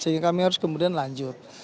sehingga kami harus kemudian lanjut